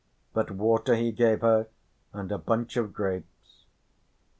But water he gave her and a bunch of grapes.